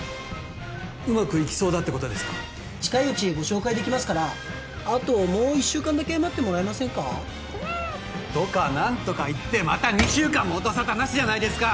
うまくいきそうだってことですか近いうちご紹介できますからあともう１週間だけ待ってもらえませんかとか何とか言ってまた２週間も音沙汰なしじゃないですか！